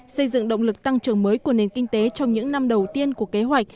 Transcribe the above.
xây dựng động lực tăng trưởng mới của nền kinh tế trong những năm đầu tiên của kế hoạch